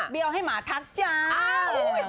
เบี่ยวให้หมาทักจ๊า